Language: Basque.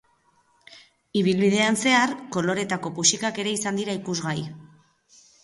Ibilbidean zehar, koloretako puxikak ere izan dira ikusgai.